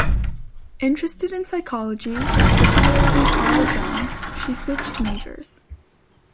Interested in psychology, particularly Carl Jung, she switched majors.